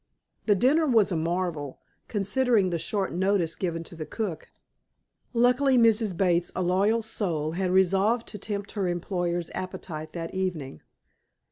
The dinner was a marvel, considering the short notice given to the cook. Luckily, Mrs. Bates, a loyal soul, had resolved to tempt her employer's appetite that evening.